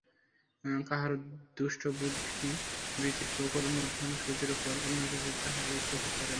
কাহারও দৃষ্টি বুদ্ধিবৃত্তির প্রখর মধ্যাহ্নসূর্যের উপর, অন্য কিছুই তাঁহার চোখে পড়ে না।